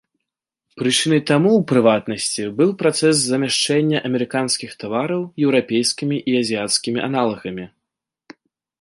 Прычынай таму, у прыватнасці, быў працэс замяшчэння амерыканскіх тавараў еўрапейскімі і азіяцкімі аналагамі.